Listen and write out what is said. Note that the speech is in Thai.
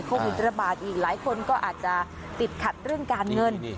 โควิดระบาดอีกหลายคนก็อาจจะติดขัดเรื่องการเงิน